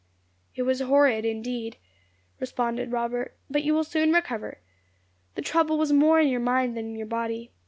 "It was horrid, indeed," responded Robert. "But you will soon recover; the trouble was more in your mind than in your body.